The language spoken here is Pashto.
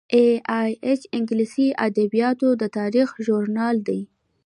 ای ایل ایچ د انګلیسي ادبیاتو د تاریخ ژورنال دی.